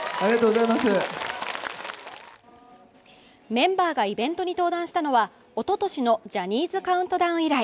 メンバーがイベントに登壇したのはおととしのジャニーズカウントダウン以来。